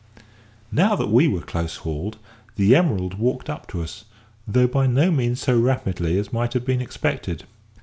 Now that we were close hauled, the Emerald walked up to us, though by no means so rapidly as might have been expected.